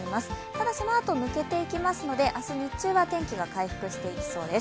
ただ、そのあと抜けていきますので明日日中は天気が回復していきそうです。